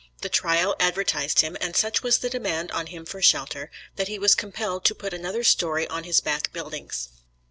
The trial advertised him, and such was the demand on him for shelter, that he was compelled to put another story on his back buildings.